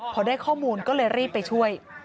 พอได้ข้อมูลก็เลยรีบไปช่วย